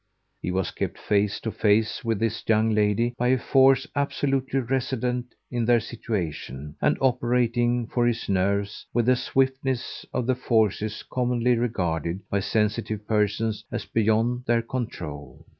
He was kept face to face with this young lady by a force absolutely resident in their situation and operating, for his nerves, with the swiftness of the forces commonly regarded by sensitive persons as beyond their control.